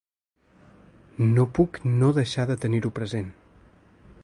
No puc no deixar de tenir-ho present.